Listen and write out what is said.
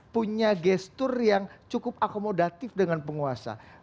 punya gestur yang cukup akomodatif dengan penguasa